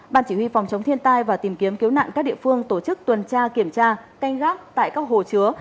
ban chỉ huy phòng chống thiên tai và tìm kiếm cứu nạn các địa phương tổ chức tuần tra kiểm tra canh gác tại các hồ chứa